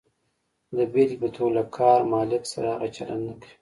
د بېلګې په توګه، له کار مالک سره هغه چلند نه کوئ.